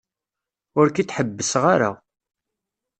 Ur k-id-ḥebbseɣ ara.